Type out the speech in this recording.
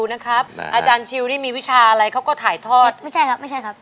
นะครับอาจารย์ชิวนี่มีวิชาอะไรเขาก็ถ่ายทอดไม่ใช่ครับไม่ใช่ครับ